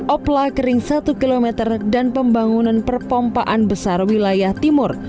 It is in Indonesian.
opla kering satu km dan pembangunan perpompaan besar wilayah timur